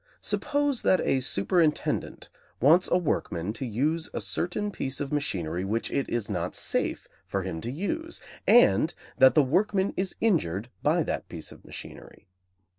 Suppose that a superintendent wants a workman to use a certain piece of machinery which it is not safe for him to use, and that the workman is injured by that piece of machinery.